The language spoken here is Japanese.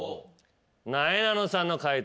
なえなのさんの解答